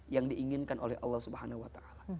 yang diinginkan oleh allah swt